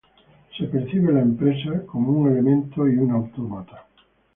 La empresa es percibida como un elemento y como un autómata.